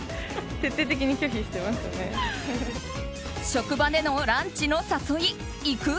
職場でのランチの誘い行く？